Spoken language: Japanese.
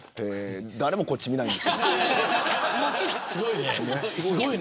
誰もこっちを見ないですけど。